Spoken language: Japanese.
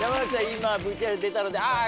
今ＶＴＲ出たのであ